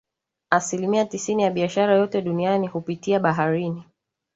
Asilimia tisini ya biashara yote duniani hupitia baharini